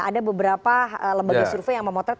ada beberapa lembaga survei yang memotret